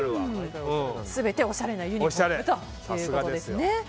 全ておしゃれなユニホームということです。